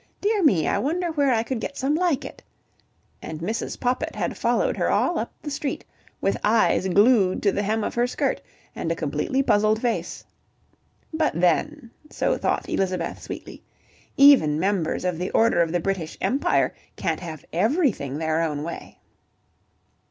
Dear me, I wonder where I could get some like it," and Mrs. Poppit had followed her all up the street, with eyes glued to the hem of her skirt, and a completely puzzled face: "but then," so thought Elizabeth sweetly "even Members of the Order of the British Empire can't have everything their own way."